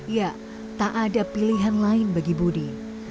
ya tak ada pilihan lain bagi budi